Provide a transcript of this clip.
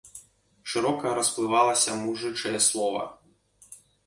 Шырока расплывалася мужычае слова.